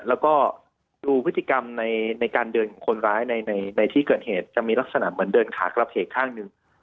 แล้วก็ดูพฤติกรรมในการเดินของคนร้ายในที่เกิดเหตุจะมีลักษณะเหมือนเดินขากระเพกข้างหนึ่ง